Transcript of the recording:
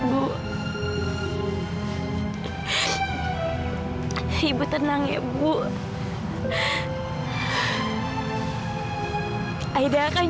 kau mau temin ibu ibu akan mengatakan ibu itu ibu akan bawa ibu ke sini